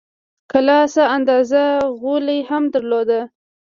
کلا څه اندازه غولی هم درلود.